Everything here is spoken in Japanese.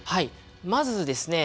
まずですね